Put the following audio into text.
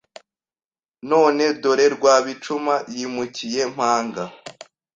none dore Rwabicuma yimukiye Mpanga